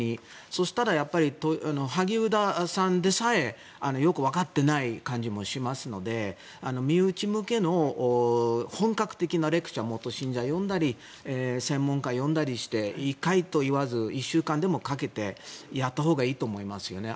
そしたらやっぱり萩生田さんでさえよくわかってない感じもしますので身内向けの本格的なレクチャー元信者を呼んだり専門家を呼んだりして１回と言わず、１週間でもかけてやったほうがいいと思いますよね。